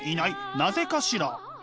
なぜかしら？」。